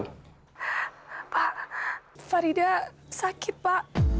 pak faridah sakit pak